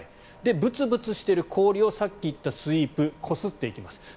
ぶつぶつしている氷をさっき言ったスイープこすっていきます。